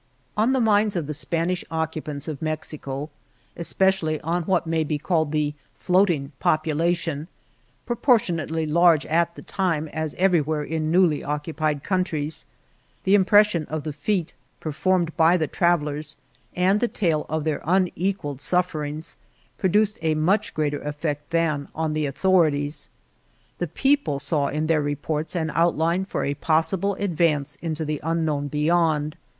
On the minds of the Spanish occupants of Mexico, especially on what may be called the floating population (proportionately large at the time, as everywhere in newly INTRODUCTION occupied countries), the impression of the feat performed by the travellers and the tale of their unequalled sufferings produced a much greater effect than on the authorities. The people saw in their reports an outline for a possible advance into the unknown be yond.